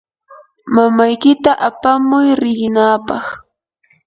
mamaykita apamuy riqinaapaq.